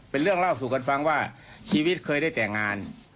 เป็นเรื่องเล่าสู่กันฟังว่าชีวิตเคยได้แต่งงาน